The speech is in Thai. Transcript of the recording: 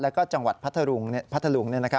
และก็จังหวัดพัทลุง